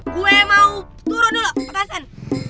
gue mau turun dulu petasan